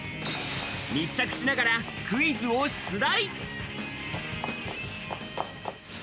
密着しながらクイズを出題。